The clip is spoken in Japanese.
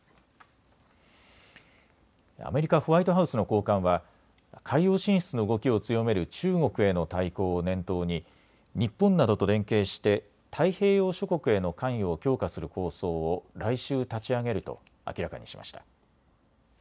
アメリカ・ホワイトハウスの高官は海洋進出の動きを強める中国への対抗を念頭に日本などと連携して太平洋諸国への関与を強化する構想を来週、立ち上げると明らかにしました。